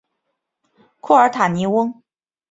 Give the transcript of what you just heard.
库尔塔尼翁。